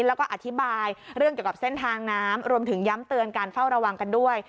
แล้วก็อธิบายเรื่องเกี่ยวกับเส้นทางน้ำรวมถึงย้ำเตือนการเฝ้าระวังกันด้วย